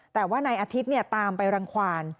แต่ว่านายอาทิตย์ตามไปรังความ